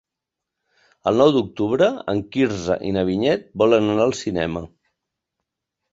El nou d'octubre en Quirze i na Vinyet volen anar al cinema.